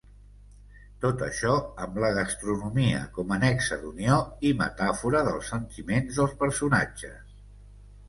Tot això amb la gastronomia com a nexe d'unió i metàfora dels sentiments dels personatges.